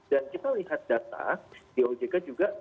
dan kita lihat data di ojk juga